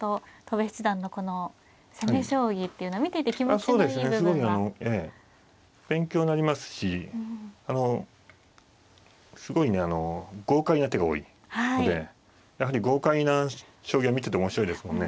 すごい勉強になりますしすごいね豪快な手が多いのでやはり豪快な将棋は見てて面白いですもんね。